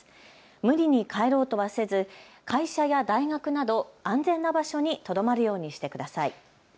無理に帰ろうとはせず会社や大学など安全な場所にとどまるようにしてください。